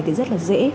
thì rất là dễ